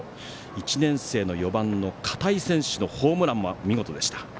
１年生の４番の片井選手のホームランもあって見事でした。